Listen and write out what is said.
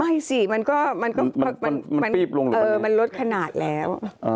ไม่สิมันก็ลดขนาดแล้ว